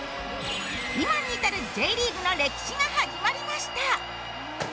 今に至るＪリーグの歴史が始まりました。